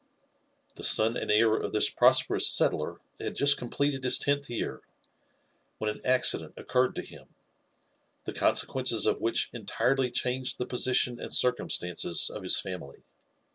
The son and heir of this prosperous settler had just completed his tenth year, when an accident occurred to him, the consequences of which entirely changed the position and circumstances of his family.